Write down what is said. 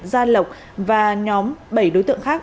gia lộc và nhóm bảy đối tượng khác